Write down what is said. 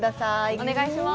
お願いします。